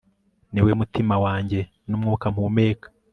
Niwe mutima wanjye numwuka mpumeka